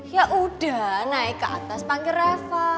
ya udah naik ke atas panggil rafael